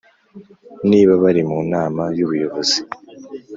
Niba bari mu nama y’ubuyobozi